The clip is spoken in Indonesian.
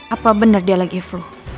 apa benar dia lagi flu